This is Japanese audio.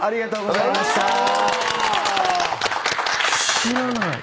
知らない。